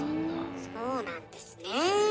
そうなんですね。